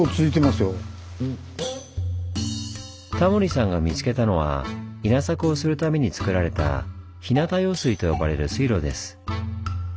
タモリさんが見つけたのは稲作をするためにつくられた「日向用水」と呼ばれる水路です。